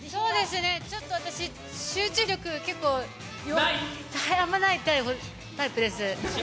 ちょっと私、集中力、あんまりないタイプです。